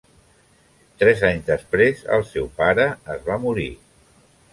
Tres anys després el seu pare es va morir.